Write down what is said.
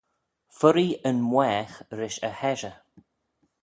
Furree yn mwaagh rish e heshey